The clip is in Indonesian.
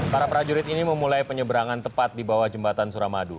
para prajurit ini memulai penyeberangan tepat di bawah jembatan suramadu